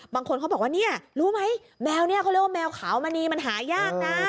บางคนเขาบอกว่าเนี่ยรู้ไหมแมวเนี่ยเขาเรียกว่าแมวขาวมณีมันหายากนะ